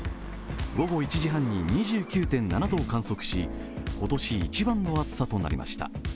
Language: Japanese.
午後１時半に２９．７度を観測し今年一番の暑さとなりました。